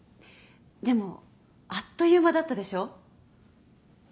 でもあっという間だったでしょう？